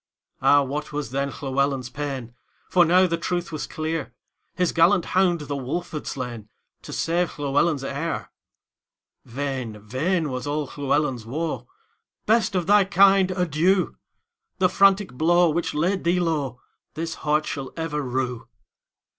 Ah, what was then Llewelyn's pain! For now the truth was clear; His gallant hound the wolf had slainTo save Llewelyn's heir:Vain, vain was all Llewelyn's woe;"Best of thy kind, adieu! The frantic blow which laid thee lowThis heart shall ever rue."